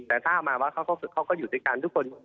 แต่ถ้าเอามาว่าเขาก็อยู่ด้วยกันทุกคน